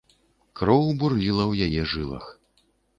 Кроў бурліла ў яе жылах.